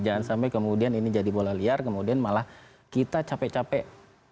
jangan sampai kemudian ini jadi bola liar kemudian malah kita capek capek